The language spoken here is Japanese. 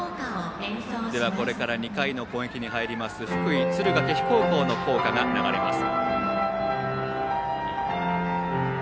ではこれから２回の攻撃に入る福井・敦賀気比高校の校歌が流れます。